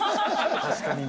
確かにね。